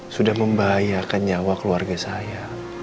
sudah membahayakan nyawa keluarga saya